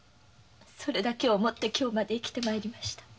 それだけを思って今日まで生きて参りました。